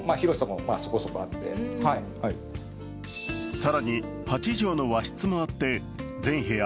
更に８畳の和室もあって全部屋